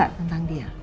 ada berita tentang dia